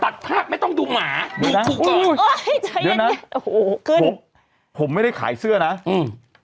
ตัดภาพไม่ต้องดูหมาดูนะเดี๋ยวนะโอ้โหคือผมผมไม่ได้ขายเสื้อนะอืม